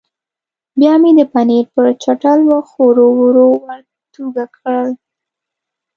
بیا مې د پنیر پر چټل مخ ورو ورو ورتوږه کړل.